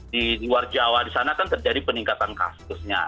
di luar jawa di sana kan terjadi peningkatan kasusnya